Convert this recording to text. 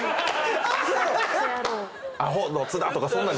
「アホの津田」とかそんなん。